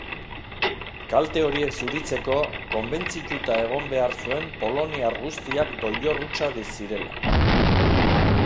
Kalte horiek zuritzeko, konbentzituta egon behar zuen poloniar guztiak doilor hutsak zirela.